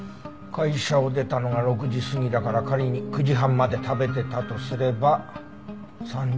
会社を出たのが６時過ぎだから仮に９時半まで食べてたとすれば３時間強。